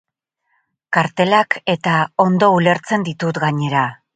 Kartelak-eta ondo ulertzen ditut gainera.